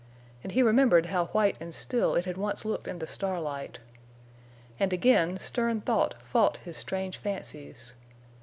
And he remembered how white and still it had once looked in the starlight. And again stern thought fought his strange fancies.